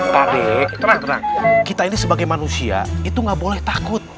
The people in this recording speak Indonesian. tapi tenang tenang kita ini sebagai manusia itu nggak boleh takut